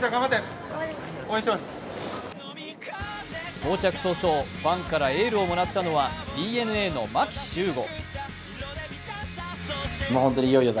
到着早々ファンからエールをもらったのはＤｅＮＡの牧秀悟。